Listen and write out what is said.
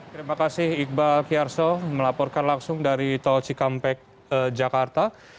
terima kasih iqbal fiarso melaporkan langsung dari tol cikampek jakarta